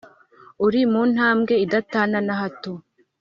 Uri mu ntambwe idatana na hato